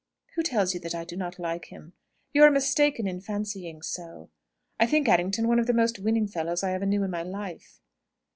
"Who tells you that I do not like him? You are mistaken in fancying so. I think Errington one of the most winning fellows I ever knew in my life."